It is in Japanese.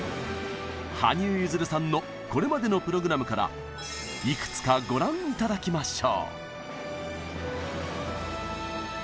羽生結弦さんのこれまでのプログラムからいくつかご覧頂きましょう！